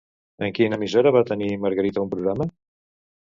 En quina emissora va tenir Margarita un programa?